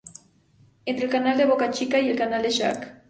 Entre el Canal de Boca Chica y el Canal de Shark.